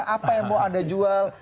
apa yang mau anda jual